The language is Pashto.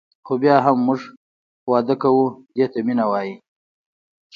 خو بیا هم موږ واده کوو دې ته مینه وايي.